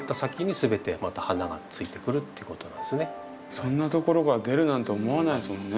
そんなところから出るなんて思わないですもんね。